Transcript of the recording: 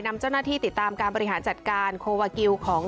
นำเจ้าหน้าที่ติดตามการบริหารจัดการโควาท์ไซ่แบบจ่ำกัจ